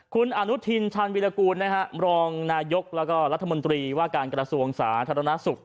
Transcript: คุณอนุทินชาญวิรากูลรองนายกแล้วก็รัฐมนตรีว่าการกระทรวงสาธารณสุข